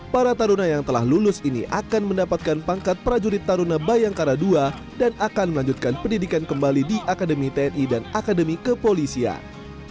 para taruna yang telah lulus ini akan mendapatkan pangkat prajurit taruna bayangkara ii dan akan melanjutkan pendidikan kembali di akademi tni dan akademi kepolisian